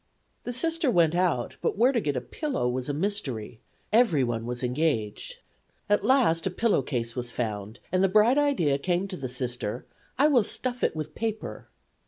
The Sister went out, but where to get a pillow was a mystery; everyone was engaged. At last a pillow case was found, and the bright idea came to the Sister: "I will stuff it with paper."